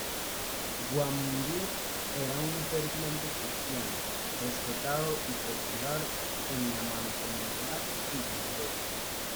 Guðmundur era un ferviente cristiano, respetado y popular en la Mancomunidad Islandesa.